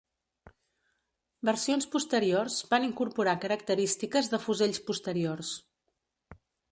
Versions posteriors van incorporar característiques de fusells posteriors.